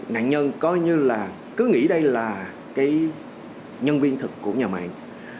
nạn nhân coi như là cứ nghĩ đây là cái nhân viên thật của nhà mạng